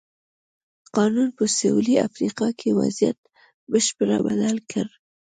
قانون په سوېلي افریقا کې وضعیت بشپړه بدل کړ.